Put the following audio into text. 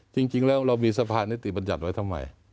จริงแล้วเรามีสภานิติบัญญัติไว้ทำไม